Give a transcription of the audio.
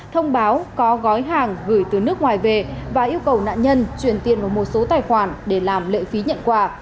thông báo có gói hàng gửi từ nước ngoài về và yêu cầu nạn nhân chuyển tiền vào một số tài khoản để làm lệ phí nhận quà